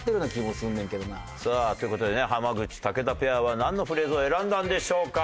さあという事でね濱口・武田ペアはなんのフレーズを選んだんでしょうか？